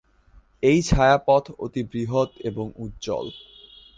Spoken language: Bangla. এই ছায়াপথ অতি বৃহত এবং উজ্জ্বল।